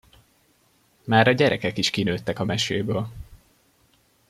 Már a gyerekek is kinőttek a meséből.